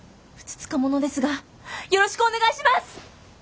ふつつか者ですがよろしくお願いします！